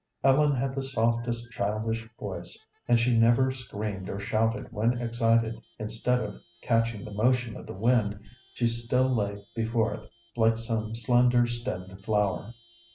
Ellen had the softest childish voice, and she never screamed or shouted when excited. Instead of catching the motion of the wind, she still lay before it, like some slender stemmed flower.